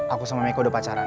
aku sama micko udah pacaran